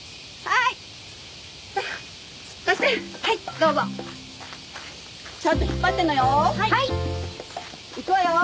いくわよ！